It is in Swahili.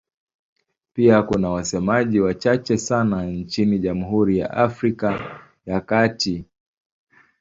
Pia kuna wasemaji wachache sana nchini Jamhuri ya Afrika ya Kati.